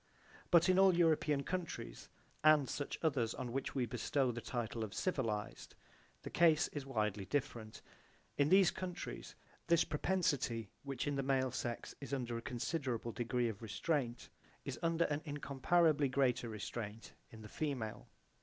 But in all European countries and such others on which we bestow the title of civilized, the case is widely different. In these countries this propensity, which in the male sex is under a considerable degree of restraint, is under an incomparably greater restraint in the female.